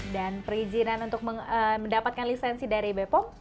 dan perizinan untuk mendapatkan lisensi dari bepok